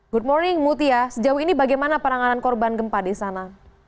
good morning mutia sejauh ini bagaimana peranganan korban gempa di sana